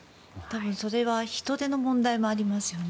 それは人手の問題もありますよね。